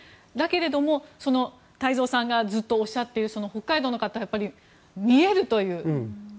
だけれども、太蔵さんがずっとおっしゃっている北海道の方は見えるという。